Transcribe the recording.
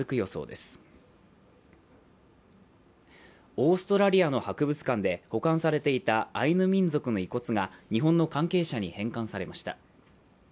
オーストラリアの博物館で保管されていたアイヌ民族の遺骨が日本の関係者に返還されました。